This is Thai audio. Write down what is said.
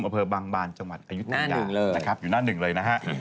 อำเภอบางบานจังหวัดอายุทยาเลยนะครับอยู่หน้าหนึ่งเลยนะฮะ